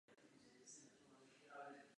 S kýmkoliv v tomto bodě budu souhlasit.